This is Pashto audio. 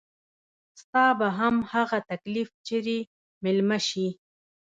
ستا به هم هغه تکليف چري ميلمه شي